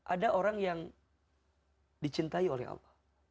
ada orang yang dicintai oleh allah